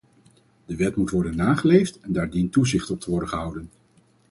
De wet moet worden nageleefd en daar dient toezicht op te worden gehouden.